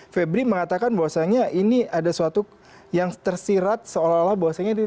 febri mengatakan bahwasannya ini ada suatu yang tersirat seolah olah bahwasannya tidak ada